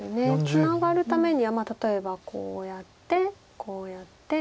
ツナがるためには例えばこうやってこうやって。